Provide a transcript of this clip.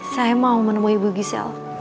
saya mau menemui ibu gisel